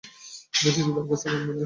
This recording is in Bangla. বুঝেছি, দরখাস্ত নামঞ্জুর।